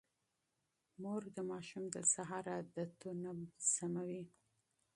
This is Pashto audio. مور د ماشوم د سهار عادتونه تنظيموي.